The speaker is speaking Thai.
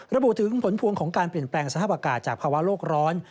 ระบุถึงผลพวงของการเปลี่ยนแปลงสภาพอากาศจากภาวะโลกร้อน